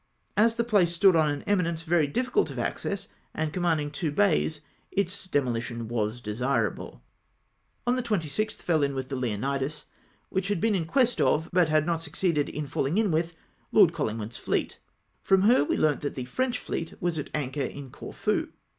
As the place stood on an eminence very difficult of access, and commanding two bays, its demohtion was desn able. On the 26th fell in "wdth the Leonidas, which had been in quest of, but had not succeeded in falhng hi with, Lord Colhngwood's fleet. From her we learnt that the French fleet was at anchor in Corfu.